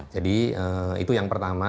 jadi itu yang pertama